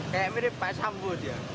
kayak mirip pak sambo dia